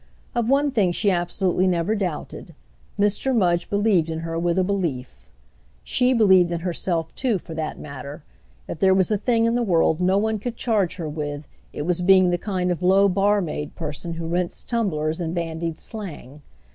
Of one thing she absolutely never doubted: Mr. Mudge believed in her with a belief—! She believed in herself too, for that matter: if there was a thing in the world no one could charge her with it was being the kind of low barmaid person who rinsed tumblers and bandied slang.